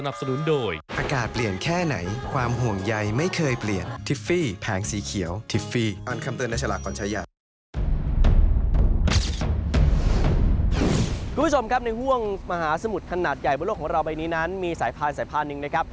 คุณผู้ชมครับในห่วงมหาสมุทรขนาดใหญ่บนโลกของเราใบนี้นั้นมีสายพานสายพานหนึ่งนะครับ